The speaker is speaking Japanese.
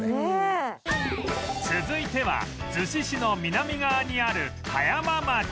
続いては子市の南側にある葉山町